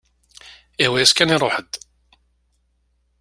Ihwa-yas kan iruḥ-d.